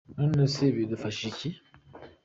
None se ibi bidufashije iki ?.